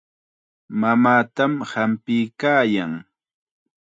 Mamaatam hampiykaayan.